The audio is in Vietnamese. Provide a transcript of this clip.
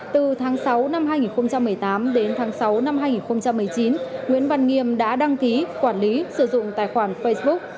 từ tháng sáu năm hai nghìn một mươi tám đến tháng sáu năm hai nghìn một mươi chín nguyễn văn nghiêm đã đăng ký quản lý sử dụng tài khoản facebook